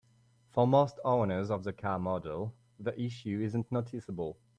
For most owners of the car model, the issue isn't noticeable.